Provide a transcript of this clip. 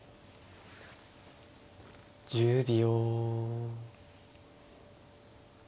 １０秒。